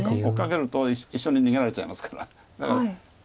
追っかけると一緒に逃げられちゃいますから。